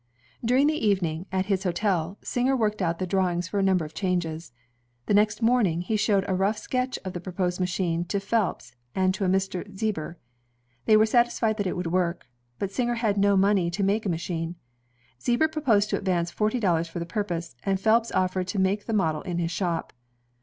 During the evening, at his hotel, Singer worked out the drawings for a number of changes. The next morn ing he showed a rough sketch of the proposed machine to LADIES OF nHACA I 1849, WATCBTNG Phelps and to a Mr. Zieber. They were satisfied that it would work. But Singer had no money to make a machine. Zieber proposed to advance forty dollars for the puipose, and Phelps offered to make the model in his shop.